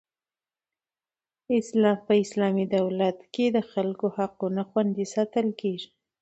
په اسلامي دولت کښي د خلکو حقونه خوندي ساتل کیږي.